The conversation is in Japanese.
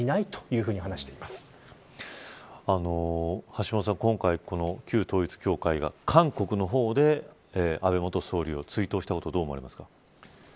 橋下さん、今回この旧統一教会が韓国の方で安倍元総理を追悼したこと、どう思いますか。